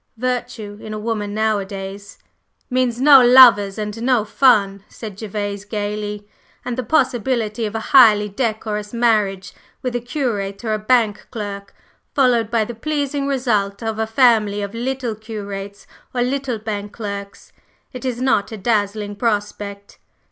Virtue in a woman nowadays " "Means no lovers and no fun!" said Gervase gayly. "And the possibility of a highly decorous marriage with a curate or a bank clerk, followed by the pleasing result of a family of little curates or little bank clerks. It is not a dazzling prospect!"